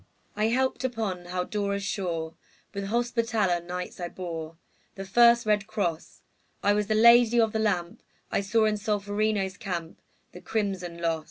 I helped upon Haldora's shore; With Hospitaller Knights I bore The first red cross; I was the Lady of the Lamp; I saw in Solferino's camp The crimson loss.